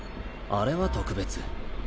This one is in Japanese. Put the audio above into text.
あれは特別。